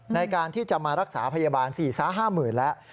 ในการที่จะมารักษาพยาบาล๔๕๐๐๐แล้ว